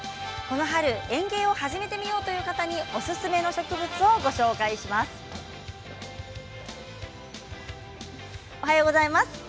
この春、園芸を始めてみようという方におすすめの植物をご紹介します。